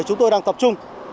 chúng tôi đang tập trung